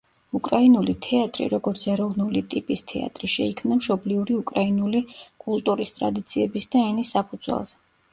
უკრაინული თეატრი, როგორც ეროვნული ტიპის თეატრი, შეიქმნა მშობლიური უკრაინული კულტურის, ტრადიციების და ენის საფუძველზე.